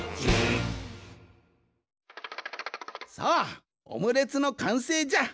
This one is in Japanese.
さあオムレツのかんせいじゃ。